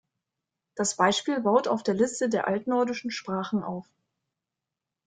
Das Beispiel baut auf der Liste der altnordischen Sprachen auf.